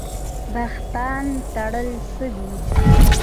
بهتان تړل څه دي؟